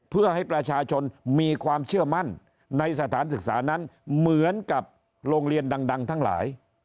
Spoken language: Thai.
เพื่อให้ประชาชนมีความเชื่อมั่นในสถานศึกษานั้นเหมือนกับโรงเรียนดังทั้งหลาย